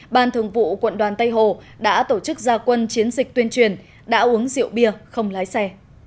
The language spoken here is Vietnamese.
ban thường vụ quận đoàn tây hồ đã tổ chức gia quân chiến dịch tuyên truyền đã uống rượu bia không lái xe